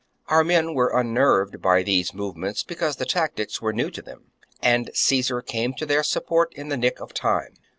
34. Our men were unnerved by these move ments, because the tactics were new to them ; and Caesar came to their support in the nick of time.